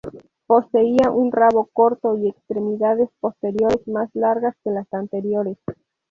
Poseía un rabo corto y extremidades posteriores más largas que las anteriores.